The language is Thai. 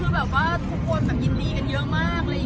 ก็คือทุกคนยินดีกันเยอะมาก